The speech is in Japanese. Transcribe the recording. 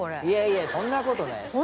いやいやそんな事ない。